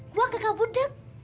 gua kagak budeg